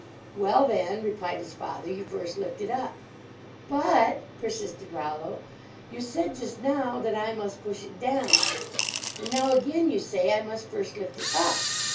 "Well, then," replied his father, "you first lift it up." "But," persisted Rollo, "you said just now that I must push it down ; and now again you say I must first lift it up.